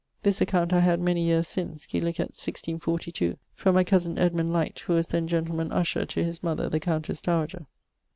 This account I had many yeares since, scilicet 1642, from my cosen Edmund Lyte, who was then gentleman usher to his mother the countesse dowager.